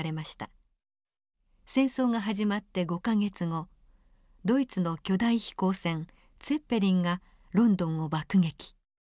戦争が始まって５か月後ドイツの巨大飛行船ツェッペリンがロンドンを爆撃。